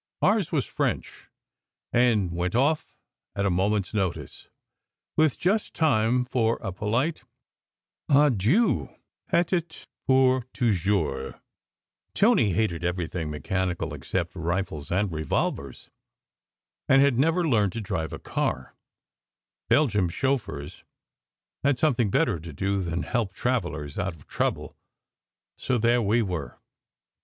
Ours was French, and went off at a moment s notice, with just time for a polite "Adieu, peut etre pour toujours" Tony hated everything mechanical except rules and revolvers, and had never learned to drive a car; Belgian chauffeurs had something better to do than help travellers out of trouble; so there we were!